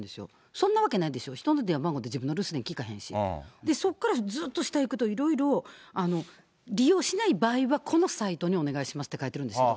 そんなわけないでしょ、人の電話番号って、人の留守に聞かへんし、いろいろ利用しない場合は、このサイトにお願いしますって書いてあるんです。